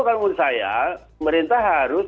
kalau menurut saya pemerintah harus